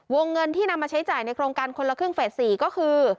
เงินที่นำมาใช้จ่ายในโครงการคนละครึ่งเฟส๔ก็คือ